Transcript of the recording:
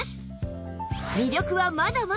魅力はまだまだ